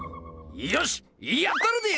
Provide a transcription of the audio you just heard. よしやったるで！